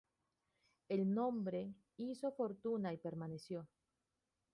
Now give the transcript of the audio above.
El nombre hizo fortuna y permaneció.